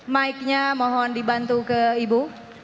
mike nya mohon dibantu ke ibu